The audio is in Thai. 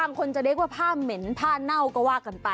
บางคนจะเรียกว่าผ้าเหม็นผ้าเน่าก็ว่ากันไป